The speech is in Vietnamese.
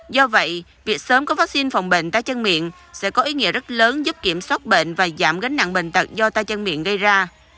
do vậy việc sớm có vaccine phòng bệnh tay chân miệng sẽ có ý nghĩa rất lớn giúp kiểm soát bệnh và giảm gánh nặng bệnh tật do tay chân miệng gây ra